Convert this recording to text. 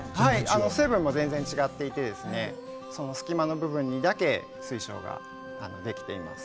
成分も違っていて隙間の部分にだけ水晶ができています。